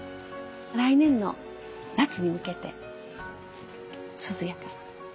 来年の夏に向けて涼やかな。